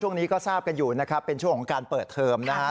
ช่วงนี้ก็ทราบกันอยู่นะครับเป็นช่วงของการเปิดเทอมนะฮะ